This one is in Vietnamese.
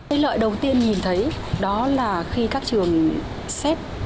cái lợi đầu tiên nhìn thấy đó là khi các trường xét